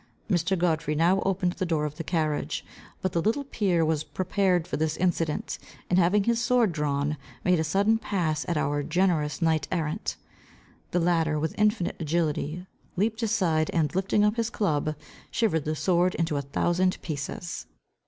Mr. Godfrey now opened the door of the carriage. But the little peer was prepared for this incident, and having his sword drawn, made a sudden pass at our generous knight errant. The latter, with infinite agility, leaped aside, and lifting up his club, shivered the sword into a thousand pieces.